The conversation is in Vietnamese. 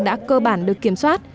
đã cơ bản được kiểm soát